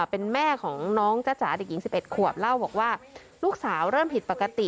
เป็นแม่ของน้องจ๊ะจ๋าเด็กหญิง๑๑ขวบเล่าบอกว่าลูกสาวเริ่มผิดปกติ